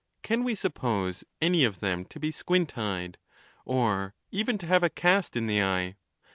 Can we suppose any of them to be squint eyed, or even to have a cast in the eye?